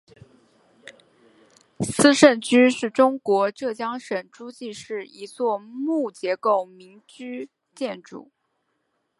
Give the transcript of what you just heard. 斯盛居是中国浙江省诸暨市一座木结构民居建筑。